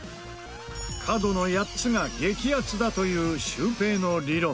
角の８つが激アツだというシュウペイの理論。